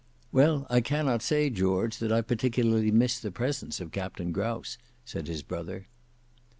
"Well, I cannot say, George, that I particularly miss the presence of Captain Grouse," said his brother.